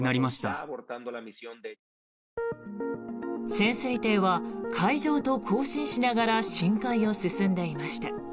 潜水艇は海上と交信しながら深海を進んでいました。